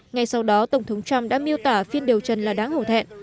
ngay sau đó tổng thống trump đã miêu tả phiên điều trần là đáng hổ thẹn